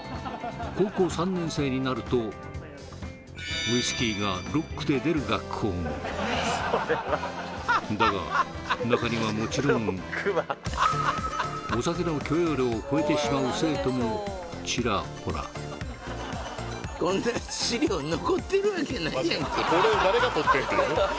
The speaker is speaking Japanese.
高校３年生になるとウイスキーがロックで出る学校もだが中にはもちろんお酒のちらほらこんな資料残ってるわけないやんけ